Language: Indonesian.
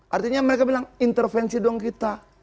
artinya mereka bilang intervensi dong kita